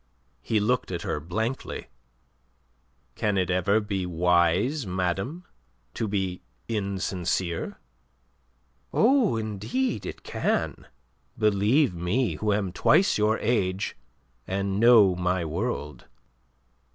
He looked at her blankly. "Can it ever be wise, madame, to be insincere?" "Oh, indeed it can; believe me, who am twice your age, and know my world."